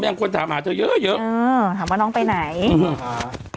ยังควรถามหาเธอเยอะเยอะอืมถามว่าน้องไปไหนค่ะ